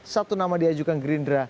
satu nama diajukan gerindra